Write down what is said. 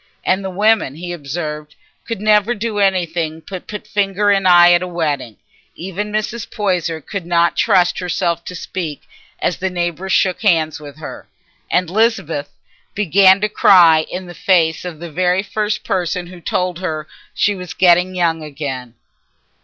And the women, he observed, could never do anything but put finger in eye at a wedding. Even Mrs. Poyser could not trust herself to speak as the neighbours shook hands with her, and Lisbeth began to cry in the face of the very first person who told her she was getting young again.